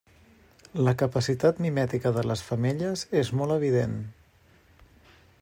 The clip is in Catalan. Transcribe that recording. La capacitat mimètica de les femelles és molt evident.